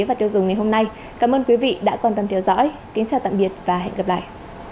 và tiêu dùng ngày hôm nay cảm ơn quý vị đã quan tâm theo dõi kính chào tạm biệt và hẹn gặp lại